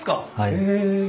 へえ。